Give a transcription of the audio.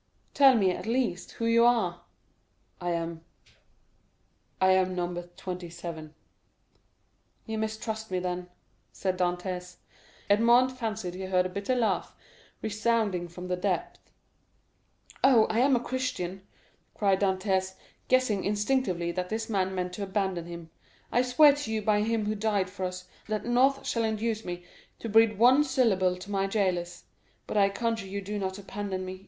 "Tell me, at least, who you are?" "I am—I am No. 27." "You mistrust me, then," said Dantès. Edmond fancied he heard a bitter laugh resounding from the depths. "Oh, I am a Christian," cried Dantès, guessing instinctively that this man meant to abandon him. "I swear to you by him who died for us that naught shall induce me to breathe one syllable to my jailers; but I conjure you do not abandon me.